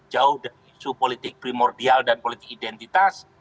jauh dari isu politik primordial dan politik identitas